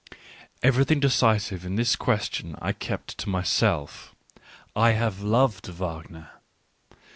— Everything decisive in this question I kept to myself — I have loved Wagner.